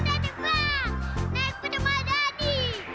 hihihi kita ada debang naik pedang dhani